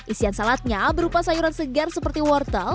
isian salatnya berupa sayuran segar kentang dan kentang